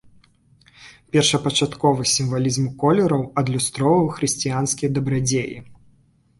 Першапачатковы сімвалізм колераў адлюстроўваў хрысціянскія дабрадзеі.